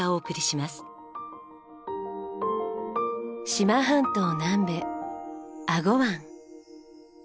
志摩半島南部英虞湾。